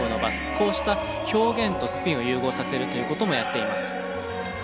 こうした表現とスピンを融合させるという事もやっています。